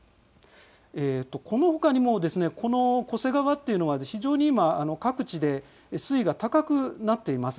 このほかにもこの巨瀬川というのは非常に各地で水位が高くなっています。